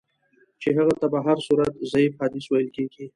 چي هغه ته په هر صورت ضعیف حدیث ویل کیږي.